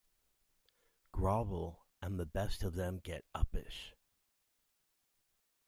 Grovel, and the best of them get uppish.